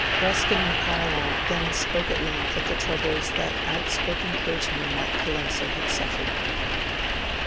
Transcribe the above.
Ruskin and Carlyle then both spoke at length of the troubles that outspoken clergy men like Colenso had suffered.